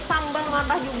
sambal mantah juga